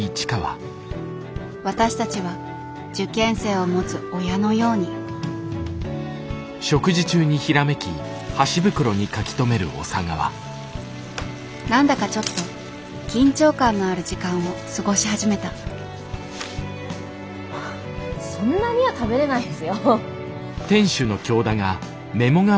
私たちは受験生を持つ親のように何だかちょっと緊張感のある時間を過ごし始めたそんなには食べれないですよ。